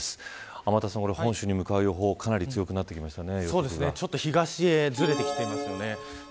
天達さん、本州に向かう予報かなり強くなってきましたね。